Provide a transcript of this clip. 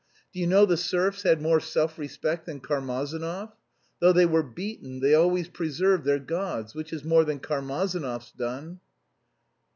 Do you know the serfs had more self respect than Karmazinov? Though they were beaten they always preserved their gods, which is more than Karmazinov's done."